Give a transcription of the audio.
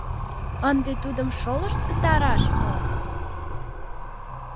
Ынде тудым шолышт пытараш мо?